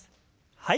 はい。